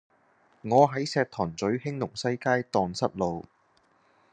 我喺石塘咀興隆西街盪失路